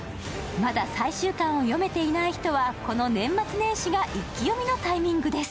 まだ最終巻を読めていない人はこの年末年始が一気読みのタイミングです。